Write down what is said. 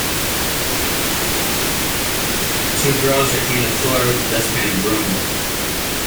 Two girls are cleaning the floor with a dustpan and broom.